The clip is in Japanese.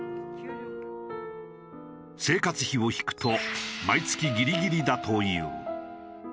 生活費を引くと毎月ギリギリだという。